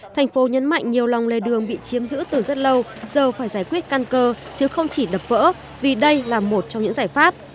thành phố nhấn mạnh nhiều lòng lề đường bị chiếm giữ từ rất lâu giờ phải giải quyết căn cơ chứ không chỉ đập vỡ vì đây là một trong những giải pháp